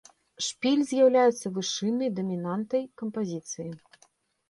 Шпіль з'яўляецца вышыннай дамінантай кампазіцыі.